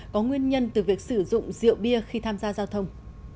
có nguyên nhân từ việc sử dụng rượu bia khi tham gia giao thông